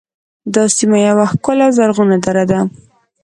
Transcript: دا سیمه یوه ښکلې او زرغونه دره ده